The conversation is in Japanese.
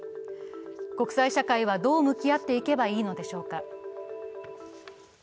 国際社会は、どう向き合っていけばいいのでしょうか。